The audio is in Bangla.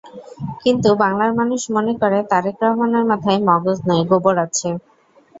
কিন্তু বাংলার মানুষ মনে করে, তারেক রহমানের মাথায় মগজ নয়, গোবর আছে।